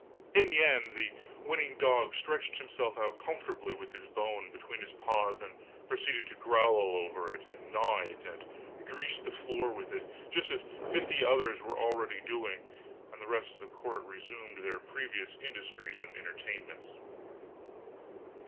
In the end, the winning dog stretched himself out comfortably with his bone between his paws, and proceeded to growl over it, and gnaw it, and grease the floor with it, just as fifty others were already doing; and the rest of the court resumed their previous industries and entertainments.